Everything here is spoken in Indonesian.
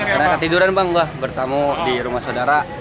karena ketiduran bang gue bersamu di rumah saudara